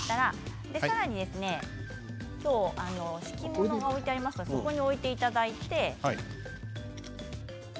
敷物が置いてありますのでそこに置いていただいて。